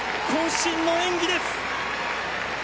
身の演技です！